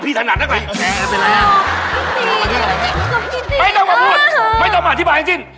ไม่ต้องมาบุกไม่ต้องมาอธิบายจริง